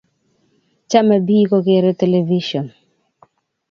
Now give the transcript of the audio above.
Chame pik ko kere televishon.